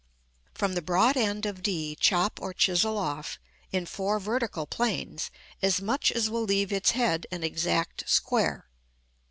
From the broad end of d chop or chisel off, in four vertical planes, as much as will leave its head an exact square.